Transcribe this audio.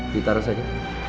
kita resah ya